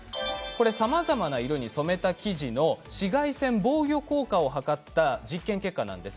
さまざまな色に染めた生地の紫外線防御効果を測った実験結果です。